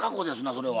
それは。